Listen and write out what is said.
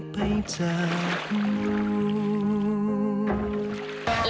ที่ยินตัวค่ะคาดใจ